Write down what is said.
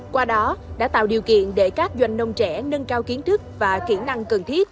qua đó đã tạo điều kiện để các doanh nông trẻ nâng cao kiến thức và kỹ năng cần thiết